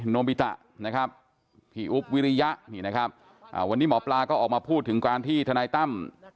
โนมิตะพี่อุ๊บวิริยะวันนี้หมอปลาก็พูดถึงทธนายตั้ม